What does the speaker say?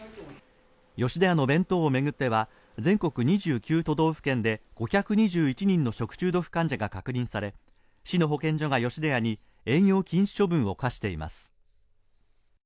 吉田屋の弁当を巡っては全国２９都道府県で５２１人の食中毒患者が確認され市の保健所が吉田屋に営業禁止処分を科しています